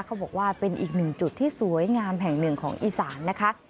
เขาบอกว่าเป็นอีกหนึ่งจุดที่สวยงามแห่งหนึ่งของอีสานนะคะ